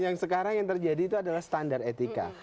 yang sekarang yang terjadi itu adalah standar etika